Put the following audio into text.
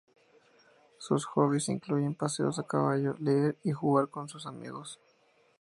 Sus hobbies incluyen paseos a caballo, leer y jugar con sus amigos.